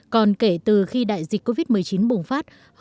còn kể từ khi đại dịch covid một mươi chín bùng phát